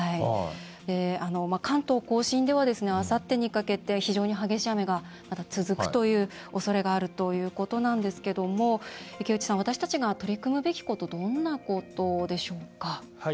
関東・甲信ではあさってにかけて非常に激しい雨がまた続くというおそれがあるということなんですけども私たちが取り組むべきことどんなことでしょうか？